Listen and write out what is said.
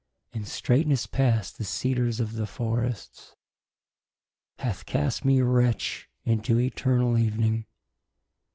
In straightnes past the Cedars of the forrests , Hath cast me wretch into eternall evening.